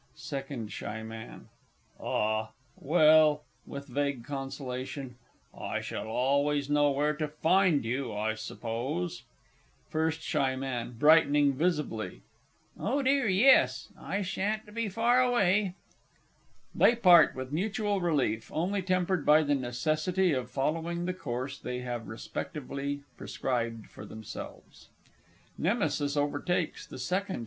SECOND S. M. Ah, well (with vague consolation), I shall always know where to find you, I suppose. FIRST S. M. (brightening visibly). Oh dear, yes; I sha'n't be far away. [_They part with mutual relief, only tempered by the necessity of following the course they have respectively prescribed for themselves. Nemesis overtakes the_ SECOND S.